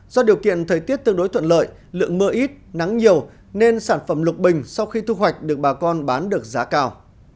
do điều kiện thời tiết tương đối thuận lợi lượng mưa ít nắng nhiều nên sản phẩm lục bình sau khi thu hoạch được bà con bán được giá cao